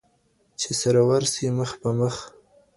چي سره ورسي مخ په مخ